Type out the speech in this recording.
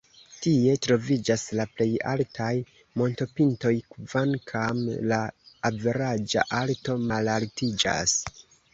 Tie troviĝas la plej altaj montopintoj, kvankam la averaĝa alto malaltiĝas.